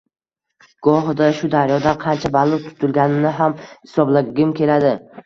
Gohida shu daryodan qancha baliq tutilganini ham hisoblagim keladi.